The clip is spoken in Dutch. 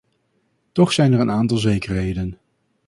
Toch zijn er een aantal zekerheden.